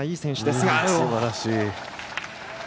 すばらしい。